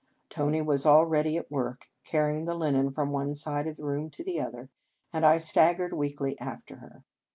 Tony was al ready at work, carrying the linen from one side of the room to the other, and I staggered weakly after her.